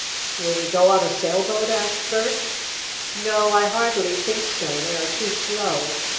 "Will we go on a sailboat?" asked Bert. "No, I hardly think so. They are too slow.